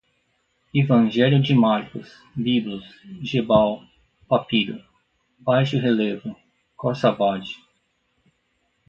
Evangelho de Marcos, Biblos, Gebal, papiro, baixo-relevo, Corsabade